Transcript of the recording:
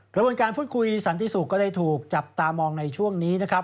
กระบวนการพูดคุยสันติสุขก็ได้ถูกจับตามองในช่วงนี้นะครับ